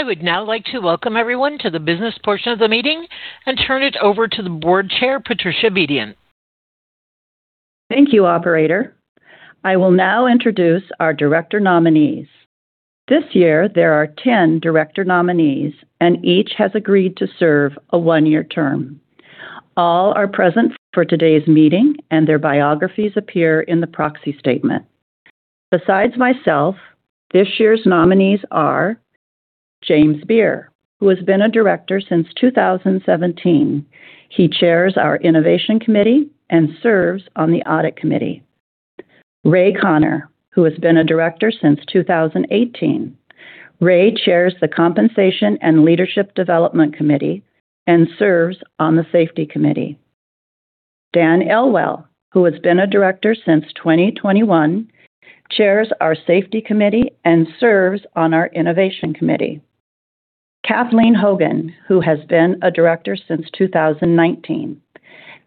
I would now like to welcome everyone to the business portion of the meeting and turn it over to the board chair, Patricia Bedient. Thank you, operator. I will now introduce our director nominees. This year there are 10 director nominees, and each has agreed to serve a one-year term. All are present for today's meeting, and their biographies appear in the proxy statement. Besides myself, this year's nominees are James Beer, who has been a director since 2017. He chairs our Innovation Committee and serves on the Audit Committee. Ray Conner, who has been a director since 2018. Ray chairs the Compensation and Leadership Development Committee and serves on the Safety Committee. Dan Elwell, who has been a director since 2021, chairs our Safety Committee and serves on our Innovation Committee. Kathleen Hogan, who has been a director since 2019.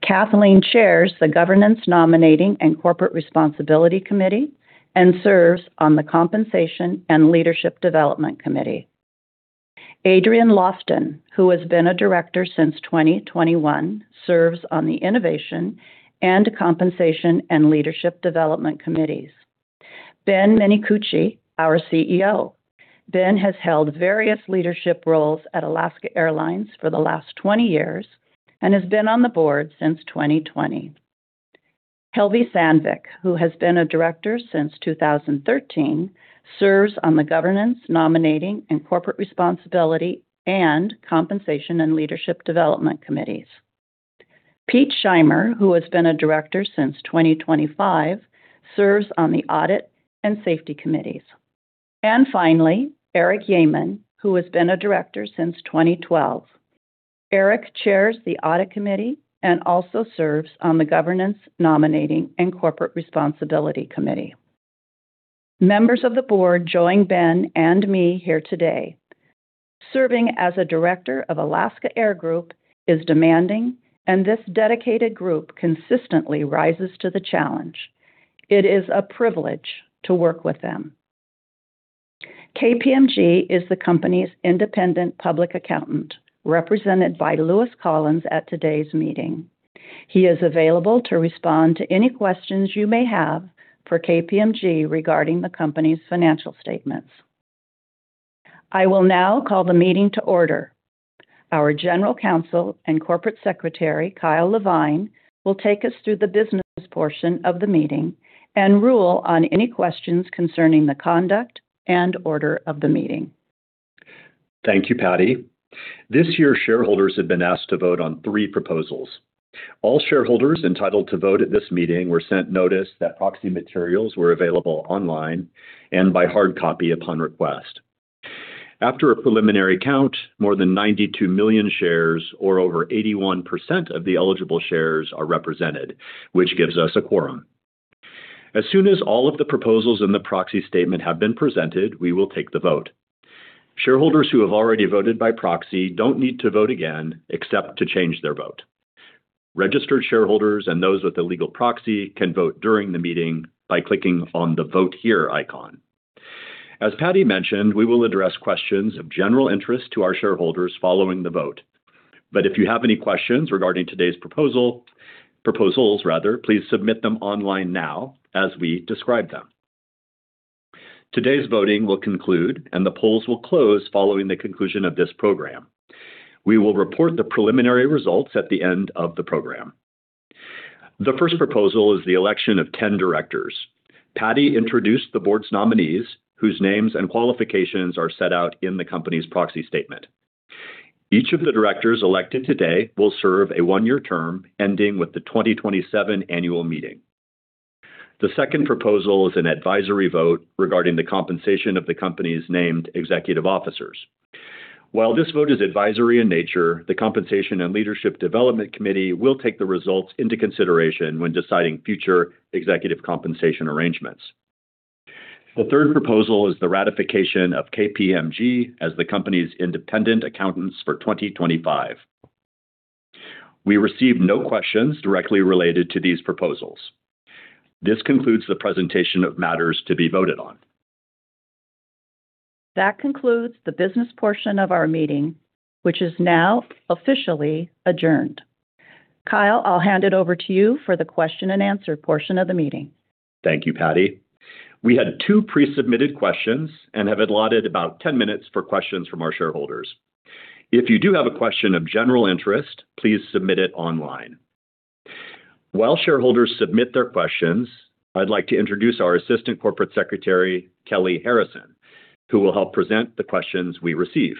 Kathleen chairs the Governance, Nominating and Corporate Responsibility Committee and serves on the Compensation and Leadership Development Committee. Adrienne Lofton, who has been a director since 2021, serves on the Innovation and Compensation and Leadership Development Committees. Ben Minicucci, our CEO. Ben has held various leadership roles at Alaska Airlines for the last 20 years and has been on the board since 2020. Helvi Sandvik, who has been a director since 2013, serves on the Governance, Nominating and Corporate Responsibility and Compensation and Leadership Development Committees. Pete Shimer, who has been a director since 2025, serves on the Audit and Safety Committees. Finally, Eric Yeaman, who has been a director since 2012. Eric chairs the Audit Committee and also serves on the Governance, Nominating and Corporate Responsibility Committee. Members of the board join Ben and me here today. Serving as a director of Alaska Air Group is demanding, and this dedicated group consistently rises to the challenge. It is a privilege to work with them. KPMG is the company's independent public accountant, represented by Lewis Collins at today's meeting. He is available to respond to any questions you may have for KPMG regarding the company's financial statements. I will now call the meeting to order. Our general counsel and corporate secretary, Kyle Levine, will take us through the business portion of the meeting and rule on any questions concerning the conduct and order of the meeting. Thank you, Patty. This year, shareholders have been asked to vote on three proposals. All shareholders entitled to vote at this meeting were sent notice that proxy materials were available online and by hard copy upon request. After a preliminary count, more than 92 million shares or over 81% of the eligible shares are represented, which gives us a quorum. As soon as all of the proposals in the proxy statement have been presented, we will take the vote. Shareholders who have already voted by proxy don't need to vote again except to change their vote. Registered shareholders and those with a legal proxy can vote during the meeting by clicking on the Vote Here icon. As Patty mentioned, we will address questions of general interest to our shareholders following the vote. If you have any questions regarding today's proposal, proposals rather, please submit them online now as we describe them. Today's voting will conclude, and the polls will close following the conclusion of this program. We will report the preliminary results at the end of the program. The first proposal is the election of 10 directors. Patty introduced the board's nominees, whose names and qualifications are set out in the company's proxy statement. Each of the directors elected today will serve a one-year term ending with the 2027 annual meeting. The second proposal is an advisory vote regarding the compensation of the company's named executive officers. While this vote is advisory in nature, the Compensation and Leadership Development Committee will take the results into consideration when deciding future executive compensation arrangements. The third proposal is the ratification of KPMG as the company's independent accountants for 2025. We received no questions directly related to these proposals. This concludes the presentation of matters to be voted on. That concludes the business portion of our meeting, which is now officially adjourned. Kyle, I'll hand it over to you for the question-and-answer portion of the meeting. Thank you, Patty. We had two pre-submitted questions and have allotted about 10 minutes for questions from our shareholders. If you do have a question of general interest, please submit it online. While shareholders submit their questions, I'd like to introduce our Assistant Corporate Secretary, Kelley Harrison, who will help present the questions we receive.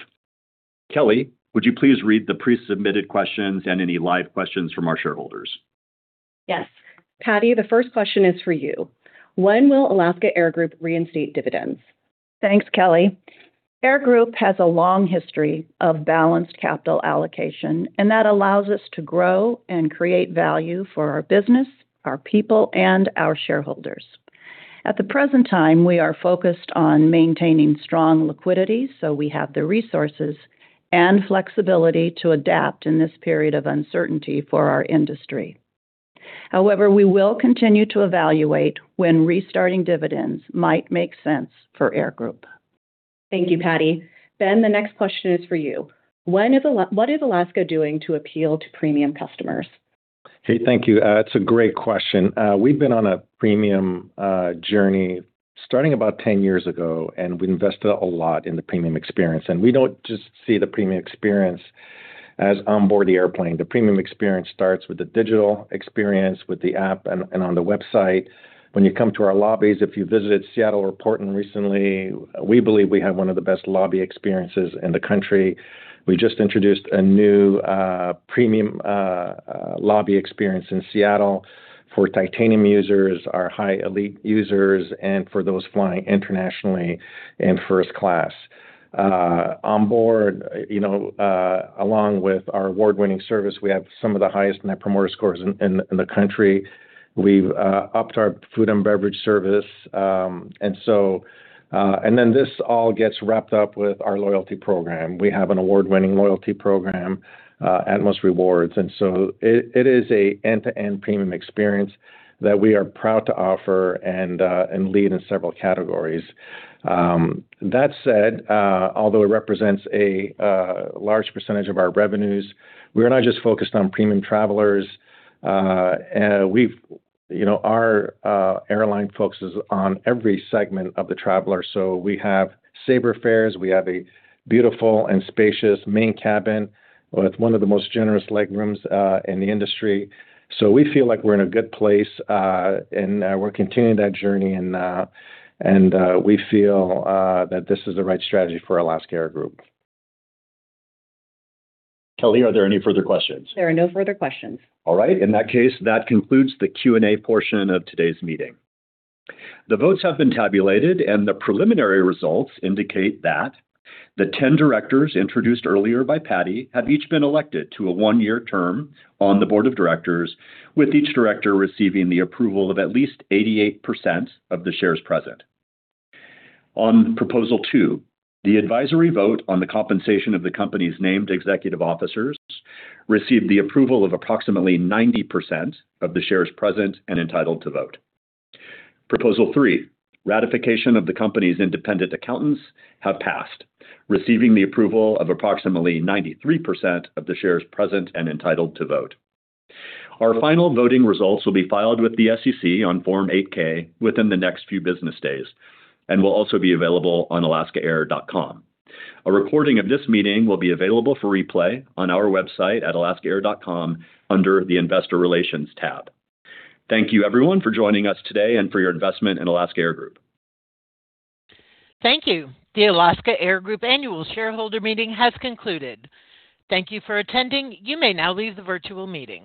Kelley, would you please read the pre-submitted questions and any live questions from our shareholders? Yes. Patty, the first question is for you. When will Alaska Air Group reinstate dividends? Thanks, Kelley. Air Group has a long history of balanced capital allocation, and that allows us to grow and create value for our business, our people, and our shareholders. At the present time, we are focused on maintaining strong liquidity, so we have the resources and flexibility to adapt in this period of uncertainty for our industry. We will continue to evaluate when restarting dividends might make sense for Air Group. Thank you, Patty. Ben, the next question is for you. What is Alaska doing to appeal to premium customers? Hey, thank you. That's a great question. We've been on a premium journey starting about 10 years ago, and we've invested a lot in the premium experience. We don't just see the premium experience as on board the airplane. The premium experience starts with the digital experience with the app and on the website. When you come to our lobbies, if you visited Seattle or Portland recently, we believe we have one of the best lobby experiences in the country. We just introduced a new premium lobby experience in Seattle for titanium users, our high elite users, and for those flying internationally in first class. On board, you know, along with our award-winning service, we have some of the highest Net Promoter Scores in the country. We've upped our food and beverage service. This all gets wrapped up with our loyalty program. We have an award-winning loyalty program, Atmos Rewards. It is an end-to-end premium experience that we are proud to offer and lead in several categories. That said, although it represents a large percentage of our revenues, we're not just focused on premium travelers. We've You know, our airline focuses on every segment of the traveler. We have saver fares. We have a beautiful and spacious main cabin with one of the most generous leg rooms in the industry. We feel like we're in a good place, and we're continuing that journey and we feel that this is the right strategy for Alaska Air Group. Kelley, are there any further questions? There are no further questions. All right. In that case, that concludes the Q&A portion of today's meeting. The votes have been tabulated, and the preliminary results indicate that the 10 directors introduced earlier by Patty have each been elected to a one-year term on the Board of Directors, with each director receiving the approval of at least 88% of the shares present. On Proposal 2, the advisory vote on the compensation of the company's named executive officers received the approval of approximately 90% of the shares present and entitled to vote. Proposal 3, ratification of the company's independent accountants have passed, receiving the approval of approximately 93% of the shares present and entitled to vote. Our final voting results will be filed with the SEC on Form 8-K within the next few business days and will also be available on alaskaair.com. A recording of this meeting will be available for replay on our website at alaskaair.com under the Investor Relations tab. Thank you, everyone, for joining us today and for your investment in Alaska Air Group. Thank you. The Alaska Air Group annual shareholder meeting has concluded. Thank you for attending. You may now leave the virtual meeting.